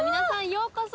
ようこそ。